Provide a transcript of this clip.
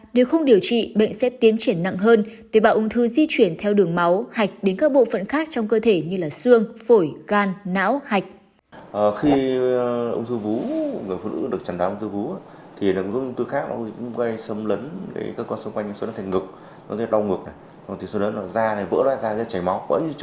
nếu không điều trị bệnh sẽ tiến triển nặng hơn tế bạo ung thư di chuyển theo đường máu hạch đến các bộ phận khác trong cơ thể như xương phổi gan não hạch